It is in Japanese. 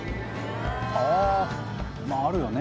あまああるよね